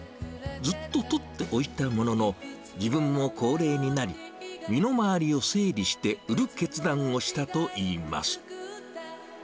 ずっと取っておいたものの、自分も高齢になり、身の回りを整理して、売る決断をしたといいます。